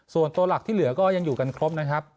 ส่วนตัวหลักที่เหลือก็ยังอยู่กันครบนะครับ